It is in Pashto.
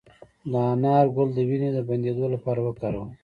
د انار ګل د وینې د بندیدو لپاره وکاروئ